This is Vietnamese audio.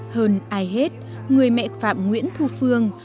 hơn ai hết người mẹ phạm nguyễn thu phương